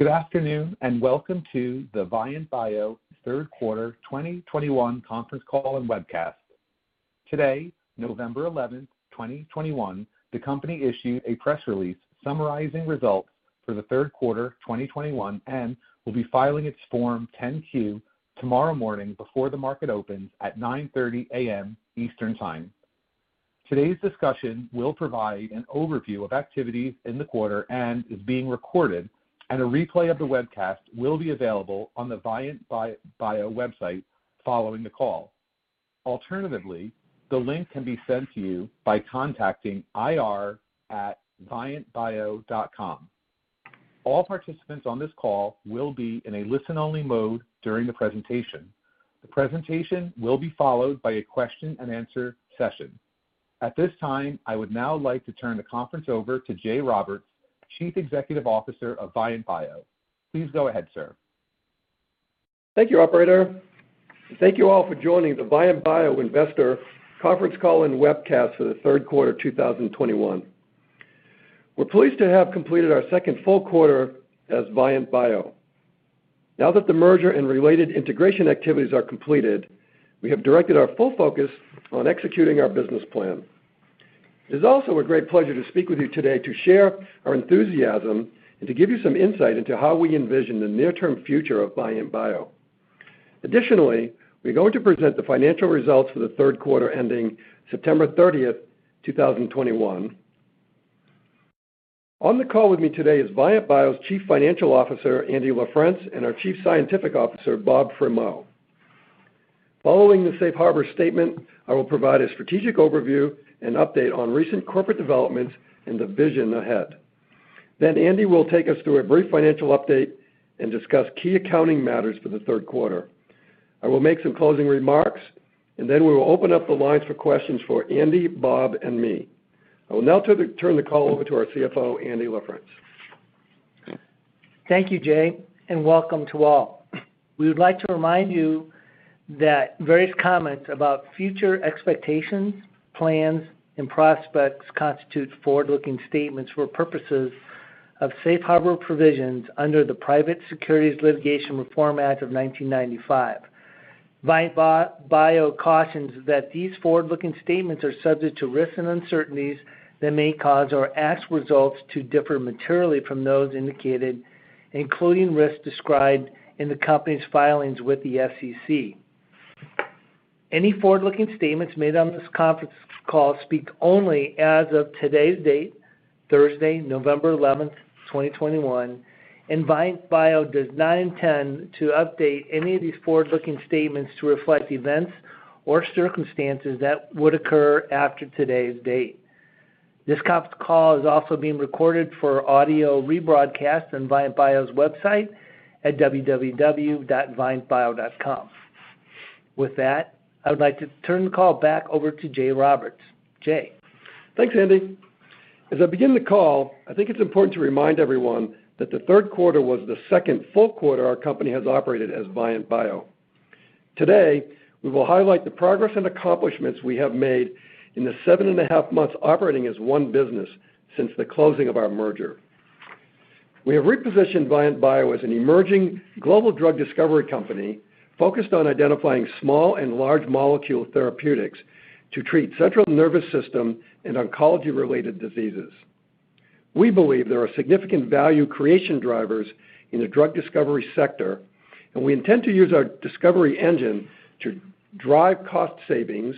Good afternoon, and welcome to the Vyant Bio third quarter 2021 conference call and webcast. Today, November 11, 2021, the company issued a press release summarizing results for the third quarter 2021 and will be filing its Form 10-Q tomorrow morning before the market opens at 9:30 A.M. Eastern Time. Today's discussion will provide an overview of activities in the quarter and is being recorded, and a replay of the webcast will be available on the vyantbio.com website following the call. Alternatively, the link can be sent to you by contacting ir@vyantbio.com. All participants on this call will be in a listen-only mode during the presentation. The presentation will be followed by a question-and-answer session. At this time, I would now like to turn the conference over to Jay Roberts, Chief Executive Officer of Vyant Bio. Please go ahead, sir. Thank you, operator, and thank you all for joining the Vyant Bio Investor conference call and webcast for the third quarter 2021. We're pleased to have completed our second full quarter as Vyant Bio. Now that the merger and related integration activities are completed, we have directed our full focus on executing our business plan. It is also a great pleasure to speak with you today to share our enthusiasm and to give you some insight into how we envision the near-term future of Vyant Bio. Additionally, we're going to present the financial results for the third quarter ending September 30, 2021. On the call with me today is Vyant Bio's Chief Financial Officer, Andy LaFrence, and our Chief Scientific Officer, Bob Fremeau. Following the safe harbor statement, I will provide a strategic overview and update on recent corporate developments and the vision ahead. Andy will take us through a brief financial update and discuss key accounting matters for the third quarter. I will make some closing remarks, and then we will open up the lines for questions for Andy, Bob, and me. I will now turn the call over to our CFO, Andy LaFrence. Thank you, Jay, and welcome to all. We would like to remind you that various comments about future expectations, plans, and prospects constitute forward-looking statements for purposes of safe harbor provisions under the Private Securities Litigation Reform Act of 1995. Vyant Bio cautions that these forward-looking statements are subject to risks and uncertainties that may cause actual results to differ materially from those indicated, including risks described in the company's filings with the SEC. Any forward-looking statements made on this conference call speak only as of today's date, Thursday, November 11, 2021, and Vyant Bio does not intend to update any of these forward-looking statements to reflect events or circumstances that would occur after today's date. This conference call is also being recorded for audio rebroadcast on Vyant Bio's website at www.vyantbio.com. With that, I would like to turn the call back over to Jay Roberts. Jay? Thanks, Andy. As I begin the call, I think it's important to remind everyone that the third quarter was the second full quarter our company has operated as Vyant Bio. Today, we will highlight the progress and accomplishments we have made in the seven and a half months operating as one business since the closing of our merger. We have repositioned Vyant Bio as an emerging global drug discovery company focused on identifying small and large molecule therapeutics to treat central nervous system and oncology-related diseases. We believe there are significant value creation drivers in the drug discovery sector, and we intend to use our discovery engine to drive cost savings,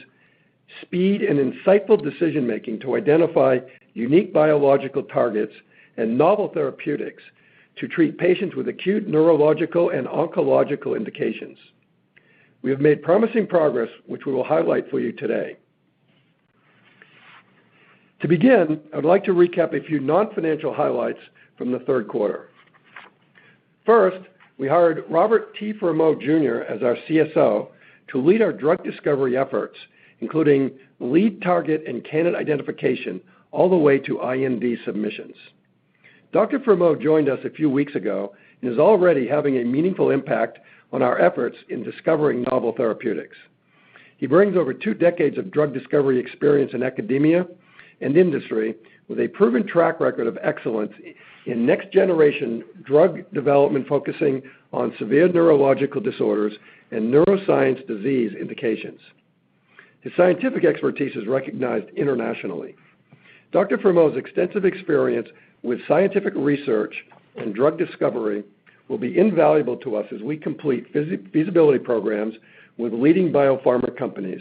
speed, and insightful decision-making to identify unique biological targets and novel therapeutics to treat patients with acute neurological and oncological indications. We have made promising progress, which we will highlight for you today. To begin, I'd like to recap a few non-financial highlights from the third quarter. First, we hired Robert T. Fremeau Jr. as our CSO to lead our drug discovery efforts, including lead target and candidate identification all the way to IND submissions. Dr. Fremeau joined us a few weeks ago and is already having a meaningful impact on our efforts in discovering novel therapeutics. He brings over two decades of drug discovery experience in academia and industry with a proven track record of excellence in next-generation drug development focusing on severe neurological disorders and neuroscience disease indications. His scientific expertise is recognized internationally. Dr. Fremeau's extensive experience with scientific research and drug discovery will be invaluable to us as we complete feasibility programs with leading biopharma companies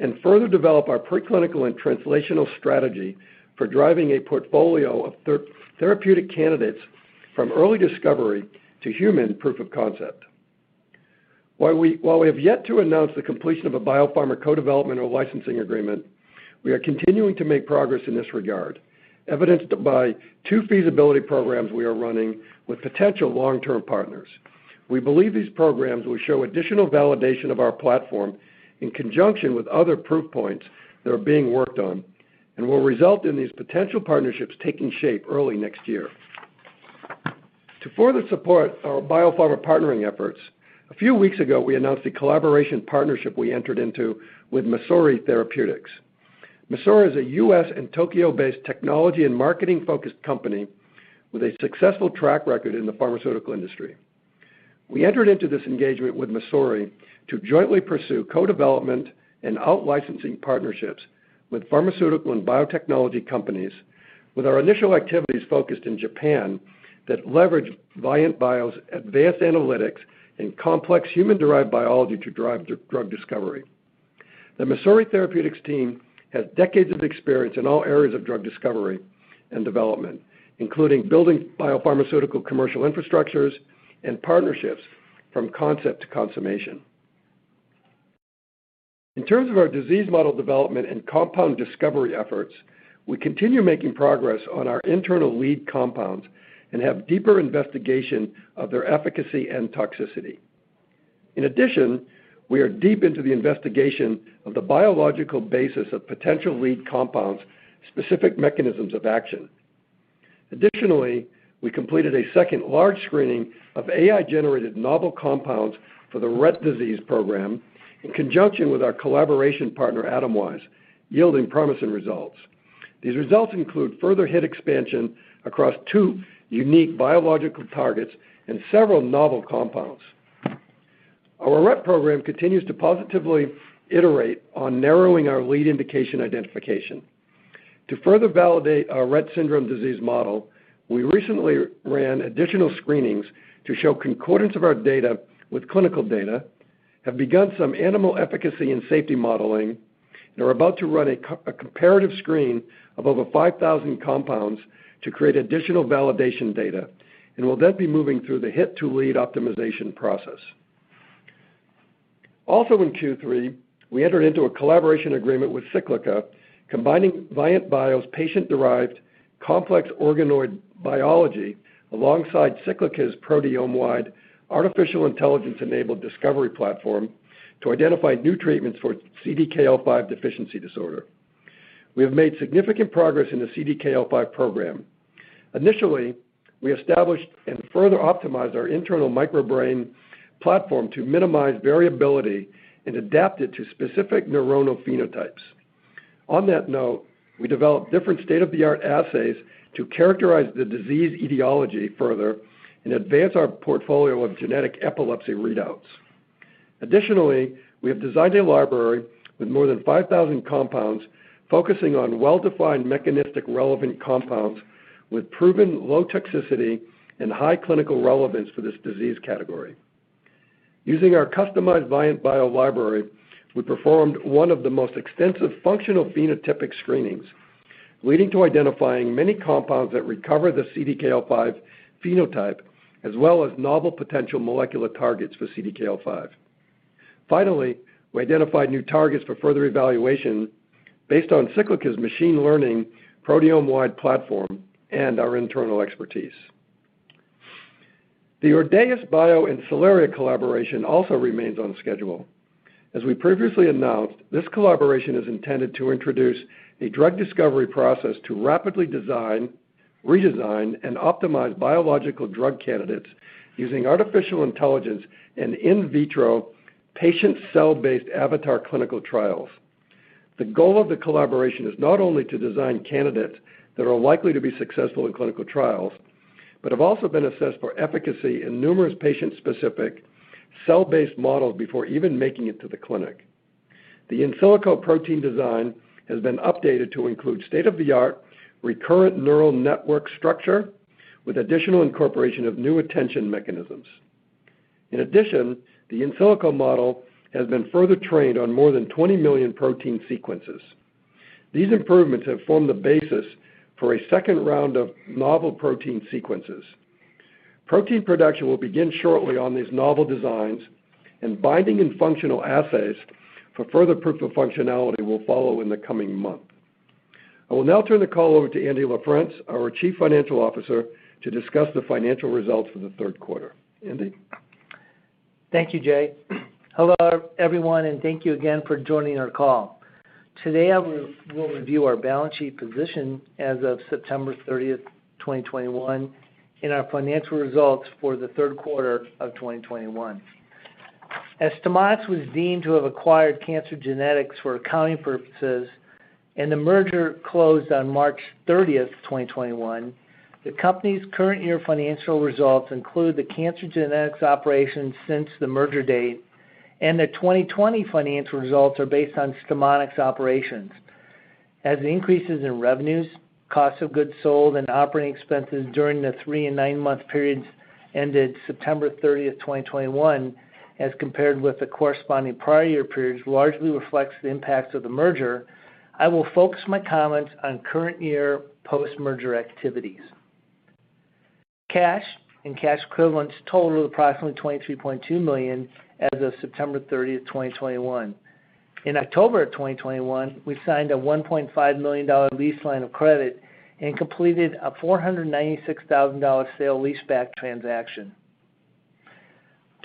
and further develop our preclinical and translational strategy for driving a portfolio of therapeutic candidates from early discovery to human proof of concept. While we have yet to announce the completion of a biopharma co-development or licensing agreement, we are continuing to make progress in this regard, evidenced by two feasibility programs we are running with potential long-term partners. We believe these programs will show additional validation of our platform in conjunction with other proof points that are being worked on and will result in these potential partnerships taking shape early next year. To further support our biopharma partnering efforts, a few weeks ago, we announced a collaboration partnership we entered into with MASORI Therapeutics. MASORI is a U.S. and Tokyo-based technology and marketing focused company with a successful track record in the pharmaceutical industry. We entered into this engagement with MASORI to jointly pursue co-development and out-licensing partnerships with pharmaceutical and biotechnology companies with our initial activities focused in Japan that leverage Vyant Bio's advanced analytics and complex human-derived biology to drive drug discovery. The MASORI Therapeutics team has decades of experience in all areas of drug discovery and development, including building biopharmaceutical commercial infrastructures and partnerships from concept to consummation. In terms of our disease model development and compound discovery efforts, we continue making progress on our internal lead compounds and have deeper investigation of their efficacy and toxicity. In addition, we are deep into the investigation of the biological basis of potential lead compounds, specific mechanisms of action. Additionally, we completed a second large screening of AI-generated novel compounds for the Rett syndrome program in conjunction with our collaboration partner, Atomwise, yielding promising results. These results include further hit expansion across two unique biological targets and several novel compounds. Our Rett program continues to positively iterate on narrowing our lead indication identification. To further validate our Rett syndrome disease model, we recently ran additional screenings to show concordance of our data with clinical data, have begun some animal efficacy and safety modeling, and are about to run a comparative screen of over 5,000 compounds to create additional validation data, and we'll then be moving through the hit to lead optimization process. Also in Q3, we entered into a collaboration agreement with Cyclica, combining Vyant Bio's patient-derived complex organoid biology alongside Cyclica's proteome-wide artificial intelligence-enabled discovery platform to identify new treatments for CDKL5 deficiency disorder. We have made significant progress in the CDKL5 program. Initially, we established and further optimized our internal microBrain platform to minimize variability and adapt it to specific neuronal phenotypes. On that note, we developed different state-of-the-art assays to characterize the disease etiology further and advance our portfolio of genetic epilepsy readouts. Additionally, we have designed a library with more than 5,000 compounds focusing on well-defined mechanistic relevant compounds with proven low toxicity and high clinical relevance for this disease category. Using our customized Vyant Bio library, we performed one of the most extensive functional phenotypic screenings, leading to identifying many compounds that recover the CDKL5 phenotype, as well as novel potential molecular targets for CDKL5. Finally, we identified new targets for further evaluation based on Cyclica's machine learning proteome-wide platform and our internal expertise. The Ordaōs Bio and Cellaria collaboration also remains on schedule. As we previously announced, this collaboration is intended to introduce a drug discovery process to rapidly design, redesign, and optimize biological drug candidates using artificial intelligence and in vitro patient cell-based avatar clinical trials. The goal of the collaboration is not only to design candidates that are likely to be successful in clinical trials, but have also been assessed for efficacy in numerous patient-specific cell-based models before even making it to the clinic. The in silico protein design has been updated to include state-of-the-art recurrent neural network structure with additional incorporation of new attention mechanisms. In addition, the in silico model has been further trained on more than 20 million protein sequences. These improvements have formed the basis for a second round of novel protein sequences. Protein production will begin shortly on these novel designs, and binding and functional assays for further proof of functionality will follow in the coming month. I will now turn the call over to Andy LaFrence, our Chief Financial Officer, to discuss the financial results for the third quarter. Andy? Thank you, Jay. Hello, everyone, and thank you again for joining our call. Today, we'll review our balance sheet position as of September 30, 2021, and our financial results for the third quarter of 2021. As StemoniX was deemed to have acquired Cancer Genetics for accounting purposes and the merger closed on March 30, 2021, the company's current year financial results include the Cancer Genetics operations since the merger date, and the 2020 financial results are based on StemoniX operations. As increases in revenues, cost of goods sold, and operating expenses during the three- and nine-month periods ended September 30, 2021, as compared with the corresponding prior year periods, largely reflects the impacts of the merger. I will focus my comments on current year post-merger activities. Cash and cash equivalents totaled approximately $23.2 million as of September 30, 2021. In October 2021, we signed a $1.5 million lease line of credit and completed a $496,000 sale-leaseback transaction.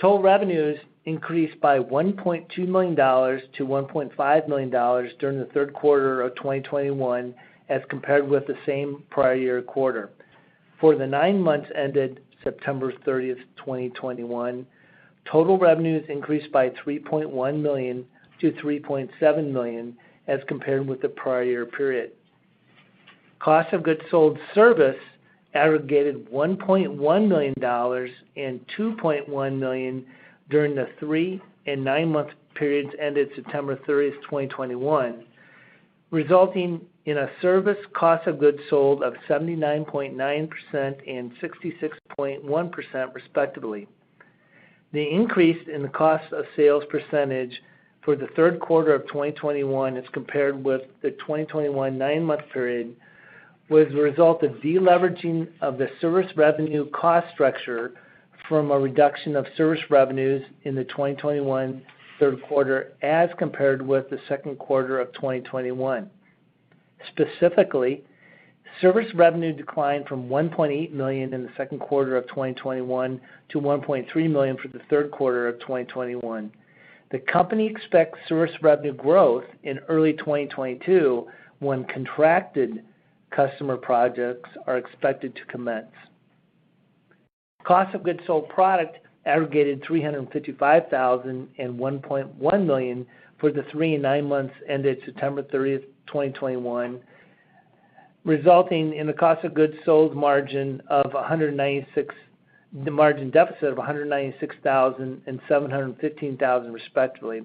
Total revenues increased by $1.2 million to $1.5 million during the third quarter of 2021 as compared with the same prior year quarter. For the nine months ended September 30, 2021, total revenues increased by $3.1 million to $3.7 million as compared with the prior period. Cost of goods sold service aggregated $1.1 million and $2.1 million during the three- and nine-month periods ended September 30, 2021, resulting in a service cost of goods sold of 79.9% and 66.1%, respectively. The increase in the cost of sales percentage for the third quarter of 2021 as compared with the 2021 nine-month period was the result of deleveraging of the service revenue cost structure from a reduction of service revenues in the 2021 third quarter as compared with the second quarter of 2021. Specifically, service revenue declined from $1.8 million in the second quarter of 2021 to $1.3 million for the third quarter of 2021. The company expects service revenue growth in early 2022 when contracted customer projects are expected to commence. Cost of goods sold product aggregated $355,000 and $1.1 million for the three and nine months ended September 30, 2021, resulting in the cost of goods sold margin deficit of $196,000 and $715,000, respectively.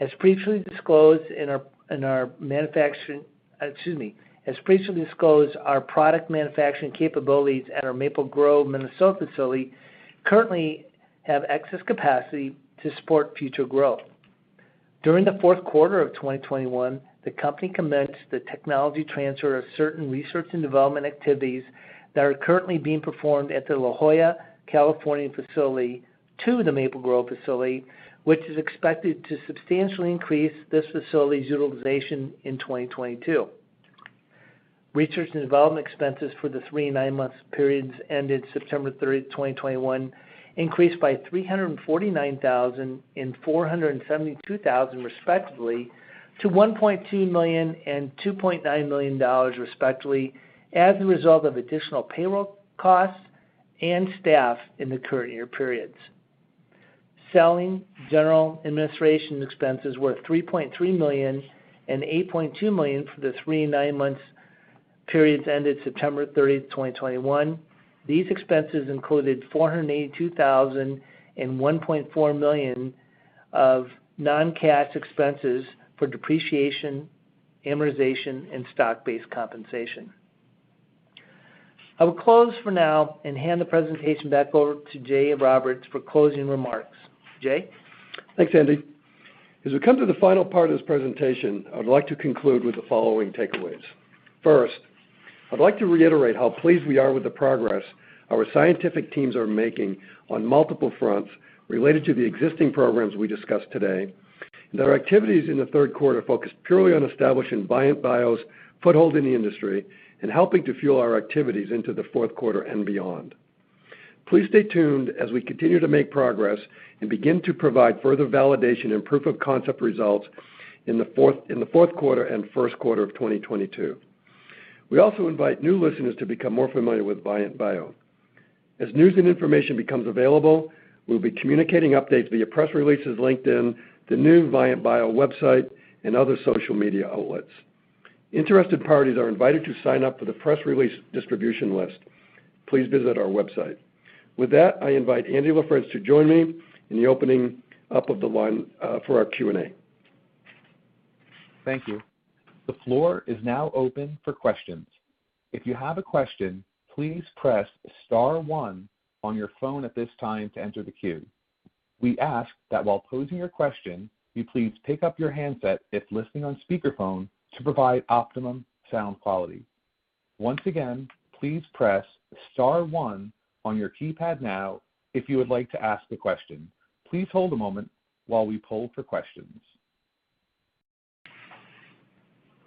As previously disclosed, our product manufacturing capabilities at our Maple Grove, Minnesota facility currently have excess capacity to support future growth. During the fourth quarter of 2021, the company commenced the technology transfer of certain research and development activities that are currently being performed at the La Jolla, California facility to the Maple Grove facility, which is expected to substantially increase this facility's utilization in 2022. Research and development expenses for the three- and nine-month periods ended September 30, 2021 increased by $349,000 and $472,000, respectively, to $1.2 million and $2.9 million, respectively, as a result of additional payroll costs and staff in the current year periods. Selling, general and administrative expenses were $3.3 million and $8.2 million for the three- and nine-month periods ended September 30, 2021. These expenses included $482,000 and $1.4 million of non-cash expenses for depreciation, amortization, and stock-based compensation. I will close for now and hand the presentation back over to Jay Roberts for closing remarks. Jay? Thanks, Andy. As we come to the final part of this presentation, I would like to conclude with the following takeaways. First, I'd like to reiterate how pleased we are with the progress our scientific teams are making on multiple fronts related to the existing programs we discussed today, and our activities in the third quarter focused purely on establishing Vyant Bio's foothold in the industry and helping to fuel our activities into the fourth quarter and beyond. Please stay tuned as we continue to make progress and begin to provide further validation and proof-of-concept results in the fourth quarter and first quarter of 2022. We also invite new listeners to become more familiar with Vyant Bio. As news and information becomes available, we'll be communicating updates via press releases, LinkedIn, the new Vyant Bio website, and other social media outlets. Interested parties are invited to sign up for the press release distribution list. Please visit our website. With that, I invite Andy LaFrence to join me in the opening up of the line, for our Q&A. Thank you. The floor is now open for questions. If you have a question, please press star one on your phone at this time to enter the queue. We ask that while posing your question, you please pick up your handset if listening on speakerphone to provide optimum sound quality. Once again, please press star one on your keypad now if you would like to ask a question. Please hold a moment while we poll for questions.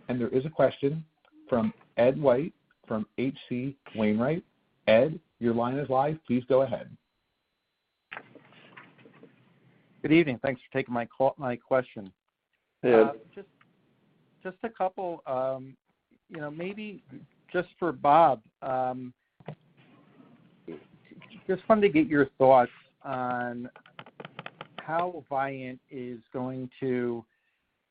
There is a question from Ed White from H.C. Wainwright. Ed, your line is live. Please go ahead. Good evening. Thanks for taking my call, my question. Ed. Just a couple, you know, maybe just for Bob. Just wanted to get your thoughts on how Vyant is going to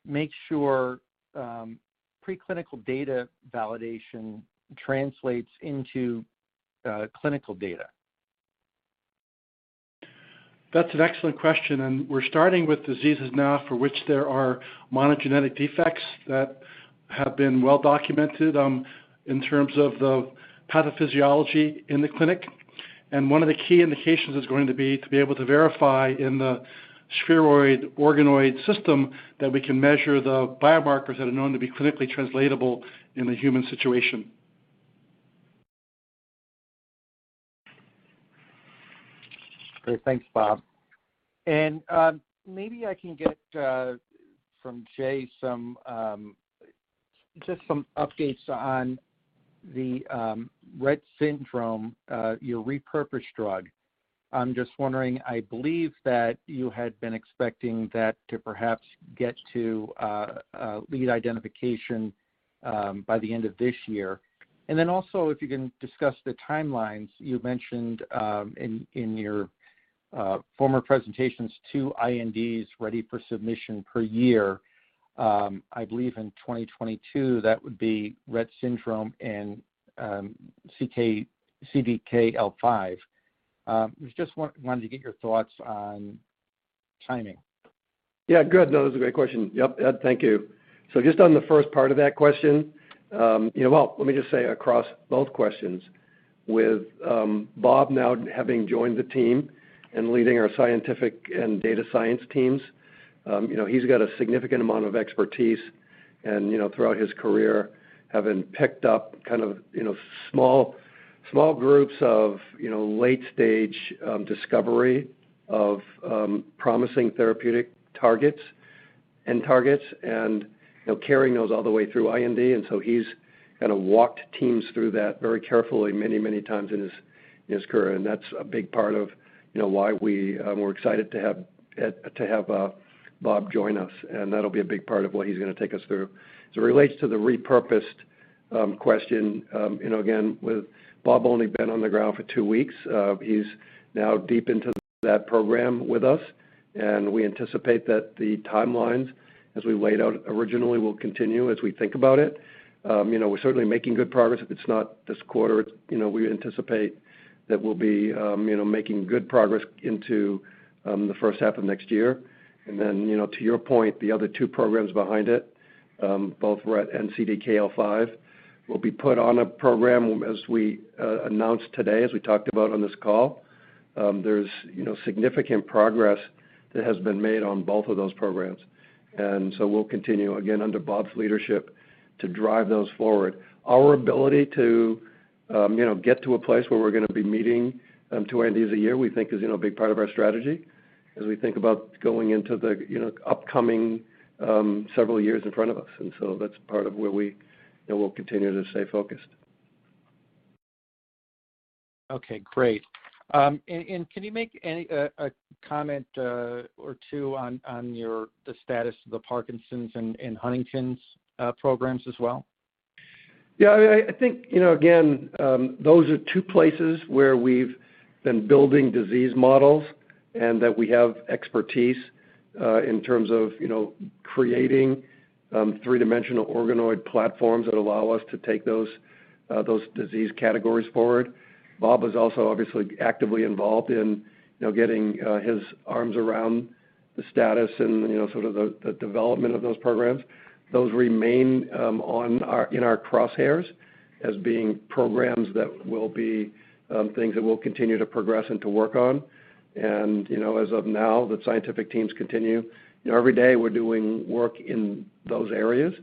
make sure preclinical data validation translates into clinical data. That's an excellent question, and we're starting with diseases now for which there are monogenic defects that have been well documented in terms of the pathophysiology in the clinic. One of the key indications is going to be to be able to verify in the spheroid organoid system that we can measure the biomarkers that are known to be clinically translatable in the human situation. Great. Thanks, Bob. Maybe I can get from Jay some just some updates on the Rett syndrome your repurposed drug. I'm just wondering, I believe that you had been expecting that to perhaps get to lead identification by the end of this year. Also, if you can discuss the timelines you mentioned in your former presentations to INDs ready for submission per year. I believe in 2022, that would be Rett syndrome and CDKL5. We wanted to get your thoughts on timing. Yeah, good. No, that's a great question. Yep, Ed, thank you. Just on the first part of that question, you know. Well, let me just say across both questions, with Bob now having joined the team and leading our scientific and data science teams, you know, he's got a significant amount of expertise and, you know, throughout his career having picked up kind of, you know, small groups of, you know, late stage discovery of promising therapeutic targets and, you know, carrying those all the way through IND. He's kinda walked teams through that very carefully many times in his career. That's a big part of, you know, why we're excited to have Bob join us, and that'll be a big part of what he's gonna take us through. As it relates to the repurposed question, you know, again, with Bob only been on the ground for two weeks, he's now deep into that program with us, and we anticipate that the timelines as we laid out originally will continue as we think about it. You know, we're certainly making good progress. If it's not this quarter, you know, we anticipate that we'll be, you know, making good progress into the first half of next year. To your point, the other two programs behind it, both Rett and CDKL5, will be put on a program as we announced today, as we talked about on this call. There's, you know, significant progress that has been made on both of those programs. We'll continue, again, under Bob's leadership, to drive those forward. Our ability to, you know, get to a place where we're gonna be meeting two NDAs a year, we think is, you know, a big part of our strategy as we think about going into the, you know, upcoming several years in front of us. That's part of where we, you know, will continue to stay focused. Okay, great. Can you make a comment or two on the status of the Parkinson's and Huntington's programs as well? Yeah, I think you know again those are two places where we've been building disease models and that we have expertise in terms of you know creating three-dimensional organoid platforms that allow us to take those disease categories forward. Bob is also obviously actively involved in you know getting his arms around the status and you know sort of the development of those programs. Those remain in our crosshairs as being programs that will be things that we'll continue to progress and to work on. You know as of now the scientific teams continue. You know every day we're doing work in those areas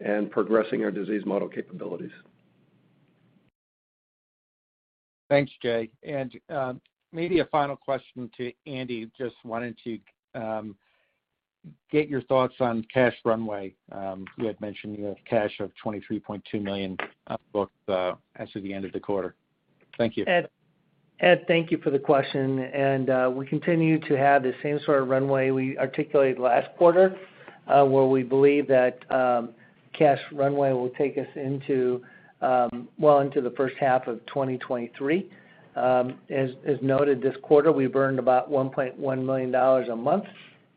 and progressing our disease model capabilities. Thanks, Jay. Maybe a final question to Andy. Just wanted to get your thoughts on cash runway. You had mentioned you have cash of $23.2 million on book, as of the end of the quarter. Thank you. Ed, thank you for the question. We continue to have the same sort of runway we articulated last quarter, where we believe that cash runway will take us into well into the first half of 2023. As noted this quarter, we burned about $1.1 million a month,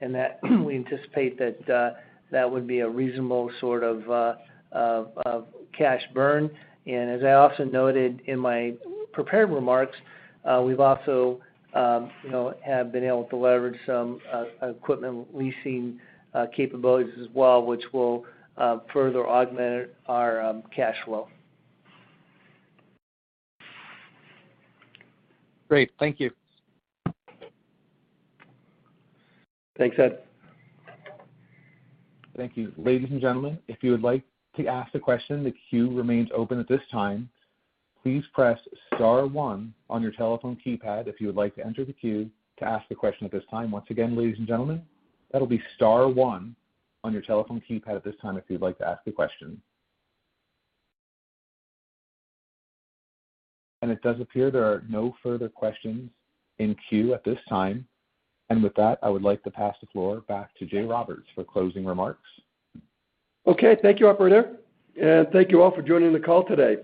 and that we anticipate that would be a reasonable sort of cash burn. As I also noted in my prepared remarks, we've also have been able to leverage some equipment leasing capabilities as well, which will further augment our cash flow. Great. Thank you. Thanks, Ed. Thank you. Ladies and gentlemen, if you would like to ask a question, the queue remains open at this time. Please press star one on your telephone keypad if you would like to enter the queue to ask a question at this time. Once again, ladies and gentlemen, that'll be star one on your telephone keypad at this time if you'd like to ask a question. It does appear there are no further questions in queue at this time. With that, I would like to pass the floor back to Jay Roberts for closing remarks. Okay. Thank you, operator, and thank you all for joining the call today.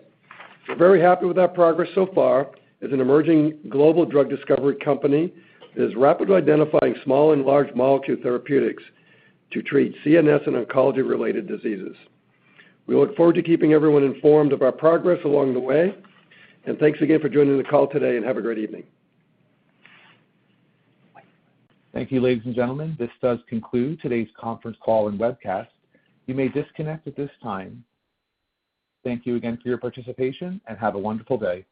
We're very happy with our progress so far as an emerging global drug discovery company that is rapidly identifying small and large molecule therapeutics to treat CNS and oncology-related diseases. We look forward to keeping everyone informed of our progress along the way. Thanks again for joining the call today, and have a great evening. Thank you, ladies and gentlemen. This does conclude today's conference call and webcast. You may disconnect at this time. Thank you again for your participation, and have a wonderful day.